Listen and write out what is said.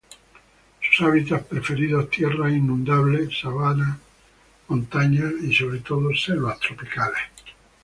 Sus hábitats preferidos: tierras inundables, sabanas, montañas y, sobre todo, selvas tropicales.